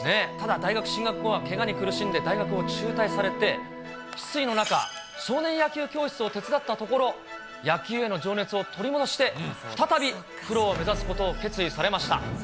大学進学後はけがに苦しんで大学を中退されて、失意の中、少年野球教室を手伝ったところ、野球への情熱を取り戻して、再びプロを目指すことを決意されました。